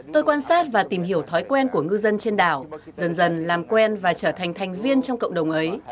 tôi quan sát và tìm hiểu thói quen của ngư dân trên đảo dần dần làm quen và trở thành thành viên trong cộng đồng ấy